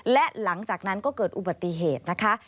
และหลังจากนั้นก็เกิดอุบัติเหตุนะคะ